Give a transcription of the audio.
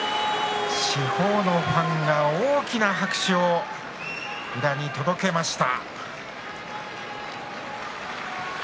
四方のファンから大きな拍手を宇良に届けました。